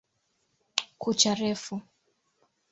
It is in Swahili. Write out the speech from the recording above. Kucha refu.